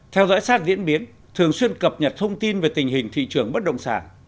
theo dõi sát diễn biến thường xuyên cập nhật thông tin về tình hình thị trường bất động sản